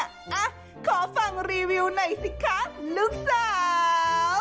อ่ะขอฟังรีวิวหน่อยสิคะลูกสาว